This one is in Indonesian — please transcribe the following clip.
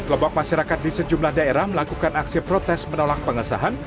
kelompok masyarakat di sejumlah daerah melakukan aksi protes menolak pengesahan